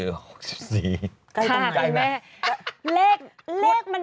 เลขมันเป็นเลขเดียวกัน